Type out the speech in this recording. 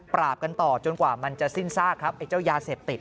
ปราบกันต่อจนกว่าจะสิ้นซากเจ้ายาเสพติด